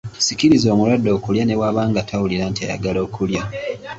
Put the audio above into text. Sikiriza omulwadde okulya ne bw’aba nga tawulira nti ayagala okulya.